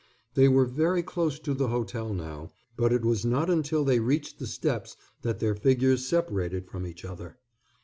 They were very close to the hotel now, but it was not until they reached the steps that their figures separated from each other.